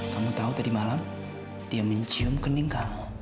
kamu tahu tadi malam dia mencium kening kamu